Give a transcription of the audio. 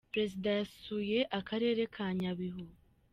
perezida yasuye akarere ka nyabihu.